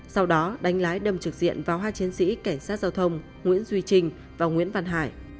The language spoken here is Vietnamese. sau đó đánh lái đâm trực diện vào hai chiến sĩ cảnh sát giao thông nguyễn duy trinh và nguyễn văn hải